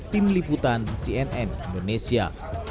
tim liputan cnn indonesia